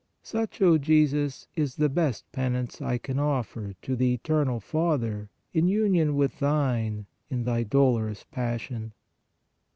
Such, O Jesus, is the best penance I can offer to the eternal Father in union with Thine in Thy dolorous Passion.